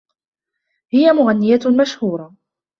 هي مغنية مشهورة.